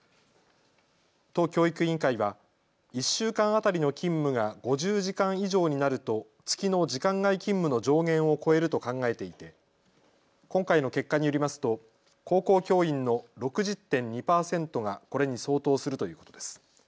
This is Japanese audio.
都教育委員会は１週間当たりの勤務が５０時間以上になると月の時間外勤務の上限を超えると考えていて今回の結果によりますと高校教員の６０．２％がこれに相当するということです。